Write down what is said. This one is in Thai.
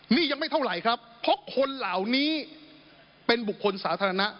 นี่ยังไม่เท่าไหร่ครับเพราะคนเหล่านี้เป็นบุคคลสาธารณะ